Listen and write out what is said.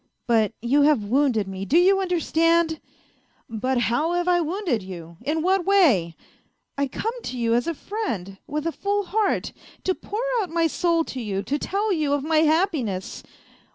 But you have wounded me, do you understand ?"" But how have I wounded you ? In what way ?"" I come to you as to a friend, with a full heart, to pour out my soul to you, to tell you of my happiness